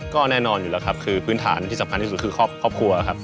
ก็แน่นอนอยู่แล้วครับคือพื้นฐานที่สำคัญที่สุดคือครอบครัวครับ